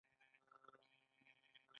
دا لړۍ په همدې ډول دوام مومي